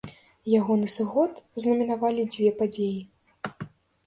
Ягоны сыход знаменавалі дзве падзеі.